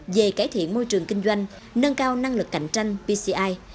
về cải thiện môi trường kinh doanh nâng cao năng lực cạnh tranh pci